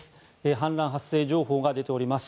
氾濫発生情報が出ております。